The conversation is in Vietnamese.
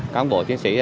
các bộ chiến sĩ